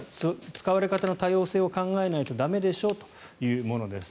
使い方の多様性を考えないと駄目でしょということです。